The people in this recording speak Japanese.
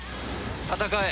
戦え！